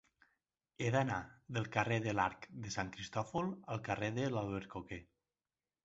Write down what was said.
He d'anar del carrer de l'Arc de Sant Cristòfol al carrer de l'Albercoquer.